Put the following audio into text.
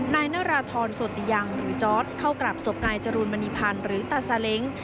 นายนาราธรโสติยังหรือจอร์ดเข้ากราบศพนายจรูนมณีพันธ์หรือตาซาเล้ง